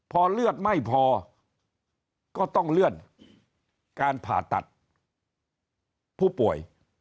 พอเลือดไม่พอก็ต้องเลื่อนการผ่าตัดผู้ป่วย